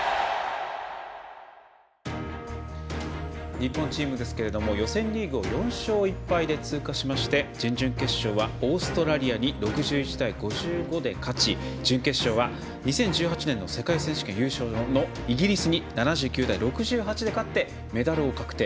日本チームですけれども予選リーグを４勝１敗で通過しまして準々決勝はオーストラリアに６１対５５で勝ち準決勝は、２０１８年の世界選手権優勝のイギリスに７９対６８で勝ってメダルを確定。